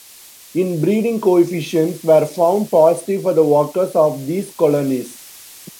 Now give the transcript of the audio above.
Inbreeding coefficients were found positive for the workers of these colonies.